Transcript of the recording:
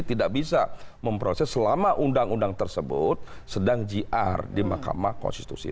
tidak bisa memproses selama undang undang tersebut sedang jr di mahkamah konstitusi